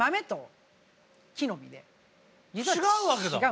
違うわけだ。